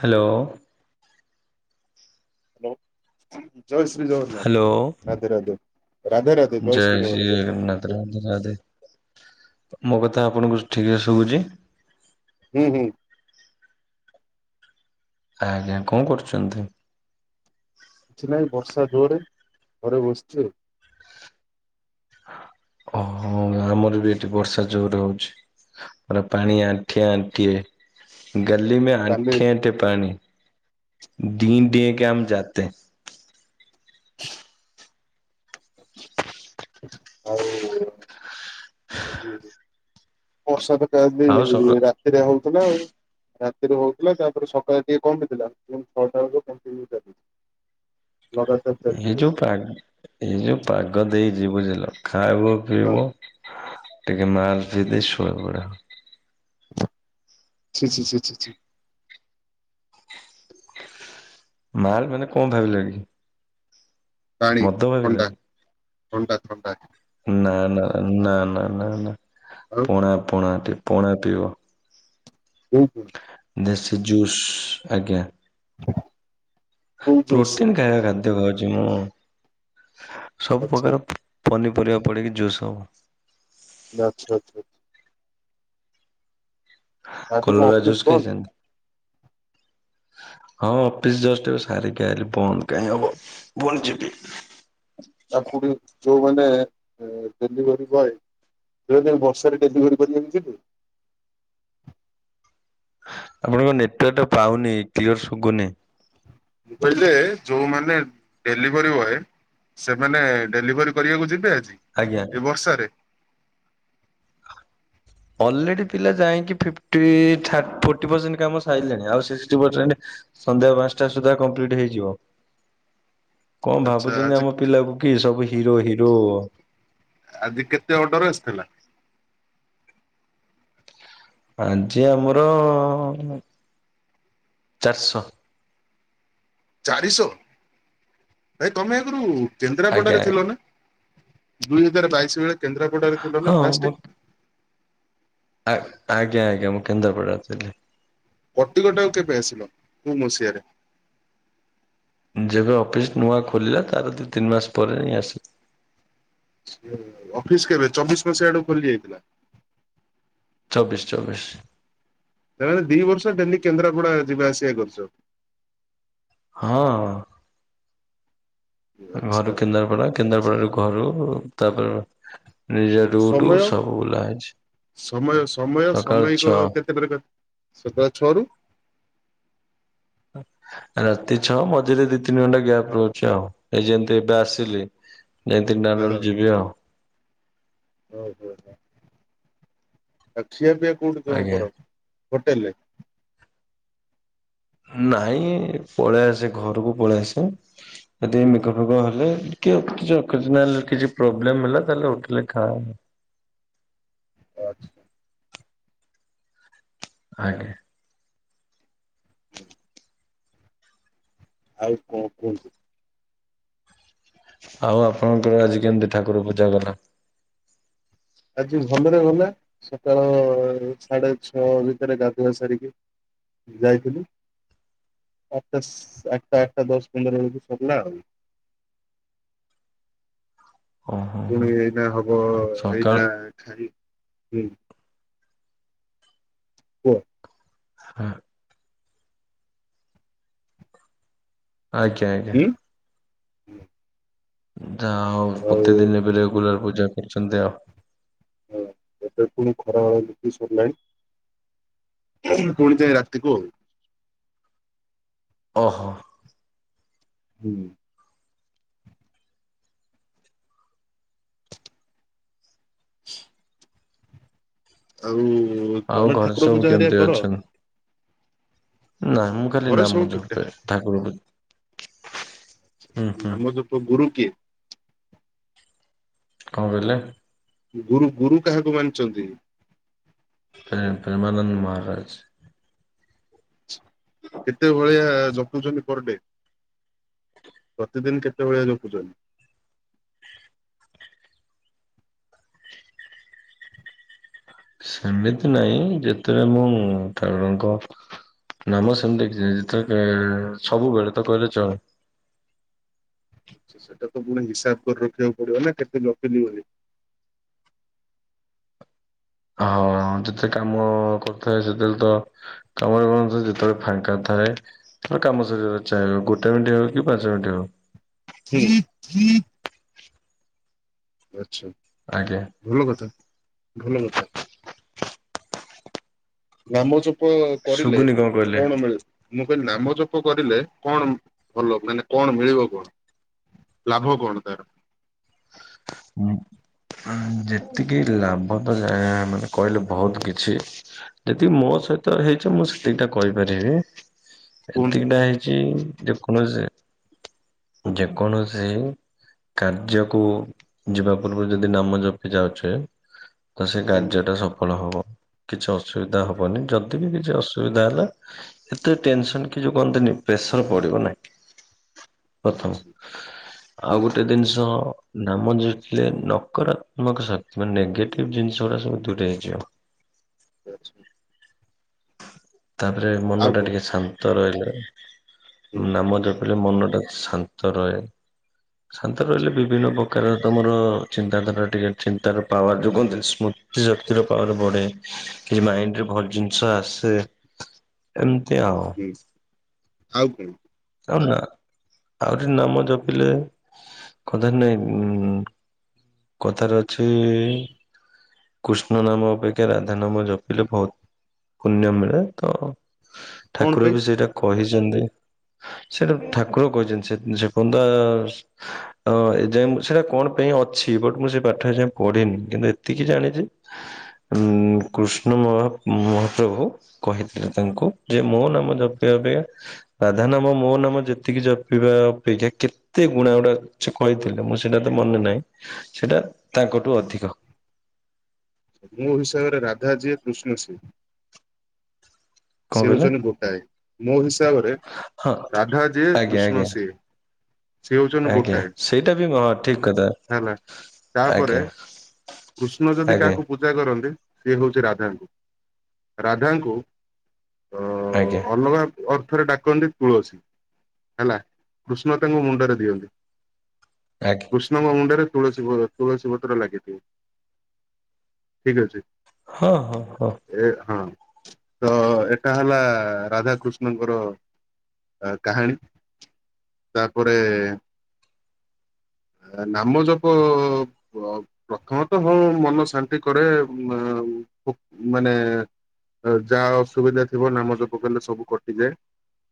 Hello hello. ଜୟଶ୍ରୀ ଜଗନ୍ନାଥ ରାଧେ ରାଧେ ରାଧେ ରାଧେ ଜୟ ଜୟଶ୍ରୀ ଶ୍ରୀ ଜଗନ୍ନାଥ। ରାଧେ ରାଧେ ମୋ କଥା ଆପଣଙ୍କୁ ଠିକରେ ଶୁଭୁଛି? ହୁଁ ହୁଁ। ଆଜ୍ଞା କଣ କରୁଛନ୍ତି? କିଛି ନାହିଁ ବର୍ଷା ଜୋରରେ ଘରେ ବସିଛି। ଓହୋ ଆମର ବି ଏଠି ବର୍ଷା ଜୋରେ ହଉଛି। ପାଣି ଆଣ୍ଠିଆ ଆଣ୍ଠିଏ ଗଲି ମ କାଲି ଆଣ୍ଠିଏ ଆଣ୍ଠିଏ ପାଣି ଡି ଡେଁକେଁ ଆମ ଯାତେ? ହଉ। ବର୍ଷା ରାତି ଆଉ କାଲି ସକ ରାତିରେ ହଉଥିଲା। ରାତିରେ ହଉଥିଲା ତାପରେ ସକାଳେ ଟିକେ କମିଥିଲା ଛଅଟା ବେଳକୁ କଣ୍ଟି ନିଉ ଚାଲିଛି। ଲଗାତାର ଚାଲିଛି ଏ ଯୋଉ ବର୍ଷା। ପାଗ ଏଇ ଯୋଉ ପାଗ ଦେଇଛି ବୁଝିଲ? ଖାଇବ ହଁ ପିଇବ ଟିକେ ମାଲ ପିଇ ଦେଇ ଶୋଇ ପଡିବ। ଛି-ଛି -ଛି-ଛି। ମାଲ୍ ମାନେ କଣ ଭାବିଲେ କି? ପାଣି ମଦ ଭାବିଲ ଥଣ୍ଡା କି? -ଥଣ୍ଡା- ଥଣ୍ଡା। ନା -ନା -ନା- ନା -ନା- ନା ଆଉ -ପଣା ପଣା ପଣା ପିଇବ। ପିଇଚୁ? ଦେସି ଜୁସ୍ ଆଜ୍ଞା କୋଉ ଜୁସ୍ ପ୍ରୋଟିନ୍ ଖାଦ୍ୟ ଖାଉଛି ମୁଁ ସବୁ ଆଚ୍ଛା ପ୍ରକାର ପନିପରିବା ପଡ଼ିକି ଜୁସ୍ ହବ। ଆଚ୍ଛା। ଆଚ୍ଛା। ଆଚ୍ଛା। ଆଜି କଣ କଲରା ଅଫିସ ଜୁସ୍ ବନ୍ଦ ଖାଇଛନ୍ତି? ହଁ ଅଫିସ ଜଷ୍ଟ ସାରିକି ଆଇଲି ବନ୍ଦ କାଇଁହବ ପୁଣିଯିବି। ଆପଣ ଯୋଉମାନେ ଡେଲିଭରି ବଏ। ଦୁଇ ଦିନ ବର୍ଷାରେ ଡେଲିଭରି କରି ଆପଣଙ୍କ ନେଟୱାର୍କ ଟା ପାଉନି କ୍ଲିୟର ଶୁଭୁନି। ମୁଁ କହିଲେ ଯୋଉମାନେ ଡେଲିଭରି ବଏ ସେମାନେ ଡେଲିଭରି କରିବାକୁ ଯିବେ ଆଜି ଆଜ୍ଞା। ଏ ବର୍ଷାରେ? ଅଲରେଡି ପିଲା ଯାଇଁକି ଫିପ୍ଟି ଥା ଫୋଟି ପର୍ସେଣ୍ଟେ କାମ ସାଇଲେଣି ଆଉ ସିକ୍ସଟି ପର୍ସେଣ୍ଟ ସନ୍ଧ୍ୟା ପାଞ୍ଚଟା ସୁଦ୍ଧା କମ୍ପ୍ଲିଟ ହେଇଯିବ। କଁ ଆଚ୍ଛା ଭାବୁଚନ୍ତି ଆଜି ଆମ ପିଲାକୁ କି ସବୁ ହିରୋ ହିରୋ। ଆଜି କେତେ ଅର୍ଡର ଆସିଥିଲା? ଆଜି ଆମର ଚାରଶ। ଚାରିଶ ଭାଇ ତମେ ଆଗୁରୁ ଆଜ୍ଞା କେନ୍ଦ୍ରାପଡ଼ାରେ ଆଜ୍ଞା ଥିଲ ନା? ଦୁଇ ହଜାର ବାଇଶି ବେଳେ କେନ୍ଦ୍ରାପଡରେ ଥିଲ ହଁ ନା ମୁଁ ଫାଷ୍ଟେ? ଆ ଆଜ୍ଞା ମୁଁ କେନ୍ଦ୍ରାପଡ଼ାରେ ଥିଲି। କଟିିକଟାକୁ କେବେ ଆସିଲ, କୋଉ ମସିଆରେ? ଯେବେ ଅଫିସ୍ ନୂଆ ଖୋଲିଲା ତାର ଦି ତିନି ମାସ ପରେ ହିଁ ଆସି ସିଏ ଅଫିସ କେବେ ଚବିଶ ମସିହା ଆଡୁ ଖୋଲି ଯାଇଥିଲା? ଚବିଶ ଚବିଶ। ତାମାନେ ଦି ବର୍ଷ ଡେଲି କେନ୍ଦ୍ରାପଡା ଯିବା ଆସିବା କରିଚ। ହଁ। ଆଚ୍ଛା ଘରୁ କେନ୍ଦାରପଡା କେନ୍ଦାରପଡାରୁ ଘରୁ ତାପରେ ନିଜେ ରୁଟୁ ସମୟ ସବୁ ବୁଲା ହେଇଚି ସକାଳ ଛଅ। ଦୂର କ ସକାଳ ଛଅରୁ ରାତି ଛଅ ମଝିରେ ଦି ତିନି ଘଣ୍ଟା ଗ୍ୟାପ ରହୁଚି ଆଉ। ଏଇ ଯେମତି ଏବେ ଆସିଲି ଯାଇ ତିନଟା ହଁ ବେଳୁ ଯିବି ଆଉ। ଓହୋ ହୋ ଆଉ ଖିଆପିଆ କୋଉଠି କଣ ଆଜ୍ଞା। କର ହୋଟେଲରେ? ନାଇଁ ପଳେଆସେ ଘରକୁ ପଳେଆସେ। ଯଦି ଏ ମେଘ ଫେଗ ହେଲେ କି କିଛି ଅକେଜନାଲ କିଛି ପ୍ରୋବ୍ଲେମ ହେଲା ତାହଲେ ହୋଟେଲରେ ଖାଏ। ଓ ଆଛା। ଆଜ୍ଞା। ଆଉ କଣ କୁହନ୍ତୁ। ଆଉ ଆପଣଙ୍କର ଆଜି କେମତି ଠାକୁର ପୂଜା ଗଲା। ଆଜି ଭଲରେ ଗଲା ସକାଳ ସାଢେ ଛଅ ଭିତରେ ଗାଧୁଆ ସାରିକି ଯାଇଥିଲି ଆଠଟା ସା ଆଠଟା ଆଠଟା ଦଶ ପନ୍ଦର ବେଳକୁ ସରଲା ଆଉ। ଓହୋ ହୋ ପୁଣି ଏଇନା ହବ ସକାଳ ଏଇଟା ଖାଇ ହୁଁ। କୁହ। ହଁ। ଆଜ୍ଞା ଆଜ୍ଞା। ଉଁ ଯାହା ହୋଉ ଆଉ ପ୍ରତିଦିନି ଏବେ ରେଗୁଲାର ପୂଜା କରୁଛନ୍ତି ଆ ହଁ ଏବେ ପୁଣି ଖରାବେଳ ନିତି ସରିଲାଣି। ପୁଣି ଯାଇଁ ରାତିକୁ ଆଉ। ଓହୋ। ହୁଁ। [inaudible] ଆଉ ଆଉ ତମେ ଘରେ ଠାକୁର ସବୁ ପୂଜା ହେରିକା କେମିତି କର ଅଛନ୍ତି? ନା ମୁଁ ଖାଲି ଘରେ ସବୁ ନାମ ଠିକ ଠାକ ଜପେ ଠାକୁରଙ୍କର। ନାମ ଜପ ଗୁରୁ କିଏ? କଣ କହିଲେ? ଗୁରୁ ଗୁରୁ କାହାକୁ ମାନିଚନ୍ତି? ପ୍ରେ ପ୍ରେମାନନ୍ଦ ମହାରାଜ। କେତେ ଭଳିଆ ଜପୁଚନ୍ତି ପର ଡେ? ପ୍ରତିଦିନ କେତେଭଳିଆ ଜପୁଛ ସେମିତି ନାଇଁ ଯେତେବେଳେ ମୁଁ ଠାକୁରଙ୍କ ନା ମୁଁ ସେମତି ଯେତେ ସବୁବେଳେ ତ କହିଲେ ଚଳେ। ସେଟା ତ ପୁଣି ହିସାବ କରି ରଖିବାକୁ ପଡିବ ନା କେତେ ଜପିଲି ବୋଲି। ହଁ ଯେତେ କାମ କରୁଥାଏ ସେତେବେଳେ ତ ତମର ଙ୍କ ଯେତେବେଳେ ଫାଙ୍କା ଥାଏ। କାମ ସରିବ ଚାହିବ ଗୋଟେ ମିନିଟ୍ ହଉ କି ପାଞ୍ଚ ମିନିଟ୍ ହଉ। ହୁଁ ହୁଁ। ଆଛା। ଆଜ୍ଞା। ଭଲ କଥା ଭଲ କଥା। ନାମ ଜପ କରିଲେ ଶୁଭୁନି କହିଲେ? କଣ ମିଳେ? ମୁଁ କହିଲି ନାମ ଜପ କରିଲେ କଣ ଭଲ ମାନେ କଣ ମିଳିବ କଣ? ଲାଭ କଣ ତାର? ହୁଁ। ଯେତିକି ଲାଭ ତ ଯା ମାନେ କହିଲେ ବହୁତ କିଛି। ଯେତିକି ମୋ ସହିତ ହେଇଛି ମୁଁ ସେଇଟା କହିପାରିବି। କୁହନ୍ତୁ? ଏତିକିଟା ହେଇଛି। ଯେକୌଣସି ଯେକୌଣସି କାର୍ଯ୍ୟକୁ ଯିବା ପୂର୍ବରୁ ଯଦି ନାମ ଜପି ଯାଉଛେ, ତ ସେ ହୁଁ କାର୍ଯ୍ୟ ଟା ସଫଳ ହବ। କିଛି ଅସୁବିଧା ହେବନି ଯଦି ବି କିଛି ଅ ସୁବିଧା ହେଲା ଏତେ ଟେନସନ କିଛି କୁହନ୍ତିନି ପ୍ରେସର ପଡିବ ନାହିଁ। ପ୍ରଥମ ଆଚ୍ଛା ଆଉ ହୁଁ ଗୋଟେ ଜିନିଷ ନାମ ଯପିଲେ ନକରାତ୍ମକ ଶକ୍ତି ମାନେ ନେଗେଟିଭ ଜିନିଷ ଗୁଡା ସବୁ ଦୂରେଇ ଯିବ। ଆଚ୍ଛା। ତାପରେ ଆଉ ମନଟା କଣ ଟିକେ ଶାନ୍ତ ରହିଲେ ହୁଁ ନାମ ଜ ମନଟା ଶାନ୍ତ ରହେ ଶାନ୍ତ ଆଚ୍ଛା ରହିଲେ ବିଭିନ୍ନ ପ ପ୍ରକାର ତମର ଚିନ୍ତାଧାରା ଟିକେ ଚିନ୍ତାର ପାୱାର ଯେଉଁ କୁହନ୍ତି ସ୍ମୃତି ଶକ୍ତିର ପାୱାର ବଢ଼େ। କିଛି ମାଇଣ୍ଡରେ ଭଲ ଜିନିଷ ଆସେ ଏମିତି ଆଉ ହୁଁ ଆଉ କଣ? ଆଉ ନା ଆହୁରି ନାମ ଜପିଲେ କଥାରେ ନାଇଁ ଉଁ କଥାରେ ଅଛି କୃଷ୍ଣ ନାମ ଅପେକ୍ଷା ରାଧା ନାମ ଜପିଲେ ବହୁତ ପୁଣ୍ୟ ମିଳେ ତ କଣ ଠାକୁର ପାଇଁ ବି ସେଇଟା କହିଛନ୍ତି। ସେଟା ଠାକୁର କହିଛନ୍ତି ସେ ସେପନ୍ଦ ହଁ ଏଯାଏ ସେଇଟା କଣ ପାଇଁ ଅଛି ବଟ ମୁଁ ସେ ପାଠ ଏଯାଏ ପଢିନି କିନ୍ତୁ ଏତିକି ଜାଣିଛି। ଉଁ କୃଷ୍ଣ ମହା ମହାପ୍ରଭୁ। କହିଥିଲେ ତାଙ୍କୁ ଯେ ମୋ ନାମ ଜପିବା ଅପେକ୍ଷା ରାଧା ନାମ ମୋ ନାମ ଯେତିକି ଜପିବା ଅପେକ୍ଷା କେ କେତେ ଗୁଣା ଗୁଡା ସେ କହିଥିଲେ ମୁଁ ସେଇଟା ତ ମନେ ନାହିଁ ସେଇଟା ତାଙ୍କଠୁ ଅଧିକ। ମୋ ହିସାବରେ ରାଧା ଯିଏ କୃଷ୍ଣ ସିଏ। କଣ ସିଏ କହିଲେ ହଉଛନ୍ତି ଗୋଟାଏ ମୋ ହିସାବରେ ହଁ ରାଧା ଯିଏ ଆଜ୍ଞା ଆଜ୍ଞା କୃଷ୍ଣ ସିଏ। ସେ ହଉଛନ୍ତି ଆଜ୍ଞା ଗୋଟାଏ ସେଇଟା ବି ହଁ ଠିକ କଥା ହେଲା ତାପରେ ଆଜ୍ଞା କୃଷ୍ଣ ଯଦି ଆଜ୍ଞା କାହାକୁ ପୂଜା କରନ୍ତି ସିଏ ହଉଛି ରାଧା। ରାଧାଙ୍କୁ ହଁ। ଆଜ୍ଞା। ଅଲଗା ଅର୍ଥରେ ଡାକନ୍ତି ତୁଳସୀ। ହେଲା କୃଷ୍ଣ ତାଙ୍କୁ ମୁଣ୍ଡରେ ଦିଅନ୍ତି। ଆଜ୍ଞା। କୃଷ୍ଣଙ୍କ ମୁଣ୍ଡରେ ତୁଳସୀ ତୁଳସୀ ପତ୍ର ଲାଗିଦିଏ। ଠିକ୍ ଅଛି। ହଁ ହଁ ହଁ। ଏ ହଁ। ତ ଏଟା ହେଲା ରାଧାକୃଷ୍ଣଙ୍କର କାହାଣୀ। ତାପରେ ନାମଜପ ପ୍ରଥମତଃ ହଁ ମନ ଶାନ୍ତି କରେ। ମାନେ ଯାହା ଅସୁବିଧା ଥିବ ନାମ ଜପ କଲେ ସବୁ କଟିଯାଏ।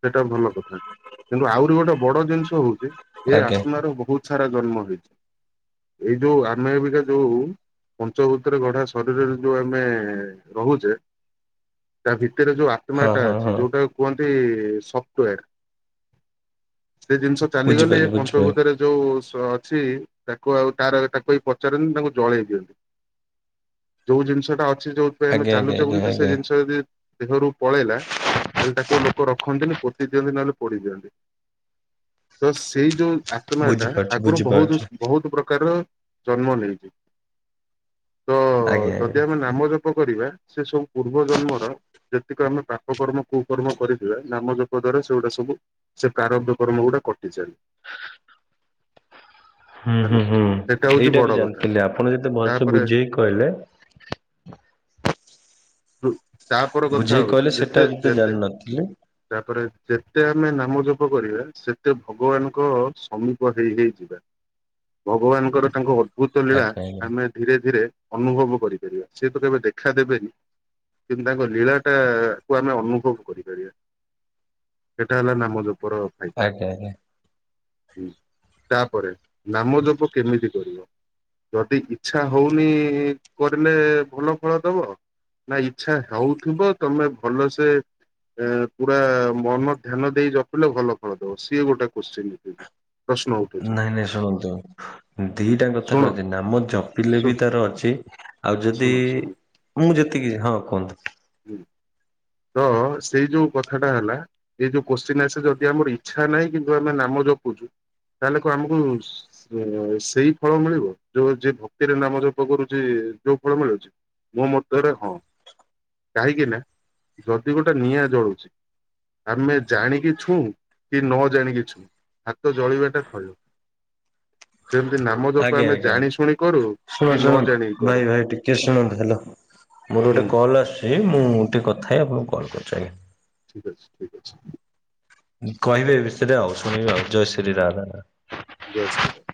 ସେଇଟା ଭଲ କଥା। କିନ୍ତୁ ଆହୁରି ଗୋଟେ ବଡ ଜିନିଷ ହଉଚି ଯେ ଆଜ୍ଞା ଆତ୍ମାର ବହୁତ୍ ସାରା ଜନ୍ମ ହେଇଚି। ଏଇ ଯୋଉ ଆମେ ଏବିକା ଯୋଉ ପଞ୍ଚଭୂତରେ ଗଢା ଶରୀରରେ ଯୋଉ ଆମେ ରହୁଚେ ତା ଭିତରେ ଯୋଉ ହଁ ଆତ୍ମାଟା ହଁ ଅଛି। ହଁ ଯୋଉଟା କୁହନ୍ତି ସଫ୍ଟଓୟାର। ସେ ଜିନିଷ ଚାଲିଗଲେ ବୁଝିପାରିଲି ଏ ବୁଝିପାରିଲି ପଞ୍ଚଭୂତରେ ଯୋଉ ସ ଅଛି ତାକୁ ଆଉ ତାର ତାକୁ ଏ ପଚାରନ୍ତି ତାକୁ ଜଳେଇ ଦିଅନ୍ତି। ଯୋଉ ଜିନିଷଟା ଅଛି ଯୋଉଥିପାଇଁ ଆମେ ଆଜ୍ଞା ଆଜ୍ଞା ଚାଲୁଚେ ଆଜ୍ଞା ବୁଲୁଚେ ସେ ଆଜ୍ଞା ଜିନିଷ ଯଦି ଦେହରୁ ପଳେଇଲା ତାହେଲେ ତାକୁ ଲୋକ ରଖନ୍ତିନି ପୋତି ଦିଅନ୍ତି ନହେଲେ ପୋଡିି ଦିଅନ୍ତି। ତ ସେଇ ଯୋଉ ଆତ୍ମାଟା ବୁଝିପାରୁଛି ଆଗରୁ ବହୁତ ବୁଝିପାରୁଛି ବହୁତ ପ୍ରକାରର ଜନ୍ମ ନେଇଚି। ତ ଆଜ୍ଞା ଯଦି ଆଜ୍ଞା ଆମେ ନାମ ଜପ କରିବା ସେସବୁ ପୂର୍ବ ଜନ୍ମର ଯେତିକ ଆମେ ପାପ କର୍ମ କୁକର୍ମ କରିଥିବା ନାମ ଜପ ଦ୍ଵାରା ସେଗୁଡା ସବୁ ସେ କାରବ୍ୟ କର୍ମ ଗୁଡା କଟିଯାଏ। ହୁଁ ହୁଁ ହୁଁ। ଏଇଟା ବି ଜାଣିଥିଲେ। ଆପଣ ଯେତେ ଭଲସେ ତାପରେ ବୁଝେଇକି କହିଲେ ତାପର କଥା ବୁଝେଇ ହଉଚି କହିଲେ ଯେତେ ସେଟା ବି ତ ଯେତେ ଜାଣିନଥିଲି ତାପରେ ଯେତେ ଆମେ ନାମ ଜପ କରିବା, ସେତେ ଭଗବାନଙ୍କ ସମୀପ ହେଇ ହେଇ ଯିବା। ଭଗବାନଙ୍କର ତାଙ୍କ ଅ ଅଦ୍ଭୁତ ଲୀଳା ଆଜ୍ଞା ଆଜ୍ଞା ଆମେ ଧୀରେ ଧୀରେ ଅନୁଭବ କରିପାରିବା। ସେ ତ କେବେ ଦେଖା ଦେବେନି। କିନ୍ତୁ ତାଙ୍କ ଲୀଳା ଟା କୁ ଆମେ ଅନୁଭବ କରିପାରିବା। ସେଟା ହେଲା ନାମ ଜପର ଆଜ୍ଞା ଆଜ୍ଞା। ହୁଁ। ତାପରେ ନାମଜପ କେମିତି କରିବ? ଯଦି ଇଚ୍ଛା ହଉନି କରିଲେ ଭଲ ଫଳ ଦବ। ନା ଇଚ୍ଛା ହଉଥିବ ତମେ ଭଲସେ ପୁରା ମନ ଧ୍ୟାନ ଦେଇ ଜପିଲେ ଭଲ ଫଳ ଦବ। ସିଏ ଗୋଟେ କୋଶ୍ଚନ୍। [unintelligible] ନାଇଁ ନାଇଁ ଶୁଣନ୍ତୁ, ଦିଟା ଶୁଣ କଥାରେ ଅଛି ନାମ ଜପିଲେ ଶୁ ବି ତାର ଅଛି। ଆଉ ଯଦି ଶୁଣ ଶୁଣ ମୁଁ ଯେତିକି ହଁ କୁହନ୍ତୁ। ହୁଁ। ତ ସେଇ ଯୋଉ କଥାଟା ହେଲା ଏଇ ଯୋଉ କୋଶ୍ଚିନ୍ ଆସେ ଯଦି ଆମର ଇଚ୍ଛା ନାହିଁ କିନ୍ତୁ ଆମେ ନାମ ଜପୁଚୁ ତାହେଲେ ଆମକୁ ଯେ ସେଇ ଫଳ ମିଳିବ। ଯୋଉ ଯିଏ ଭକ୍ତିରେ ନାମ ଜପ କରୁଚି ଯୋଉ ଫଳ ମିଳୁଚି। ମୋ ମତରେ ହଁ। କାହିଁକି ନା ଯଦି ଗୋଟେ ନିଆଁ ଜଳୁଚି, ଆମେ ଜାଣିକି ଛୁଉଁ କି ନ ଜାଣିକି ଛୁଉଁ ହାତ ଜଳିବାଟା ଥୟ। ସେମିତି ନାମ ଜପ ଆଜ୍ଞା ଆମେ ଆଜ୍ଞା। ଜାଣି ଶୁଣି କରୁ କି ଶୁଣନ୍ତୁ ନ ଜାଣିକି ଶୁଣନ୍ତୁ କରୁ ଭାଇ ଭାଇ ଟିକେ ଶୁଣନ୍ତୁ। ହାଲୋ ମୋର ହୁଁ ଗୋଟେ କଲ୍ ଆସୁଚି ମୁଁ ଟିକେ କଥା ହେଇ ଆପଣଙ୍କୁ କଲ୍ କରୁଚି ଆଜ୍ଞା। ଠିକ୍ ଅଛି ଠିକ୍ ଅଛି। କହିବେ ଏ ବିଷରେ ଆଉ ଶୁଣିବି ଆଉ। ଜୟଶ୍ରୀ ରାଧା ରାଧା। ଜୟ ଶ୍ରୀ [unintelligible]